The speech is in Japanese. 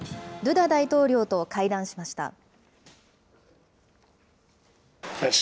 ドゥダ大統領と会談しました。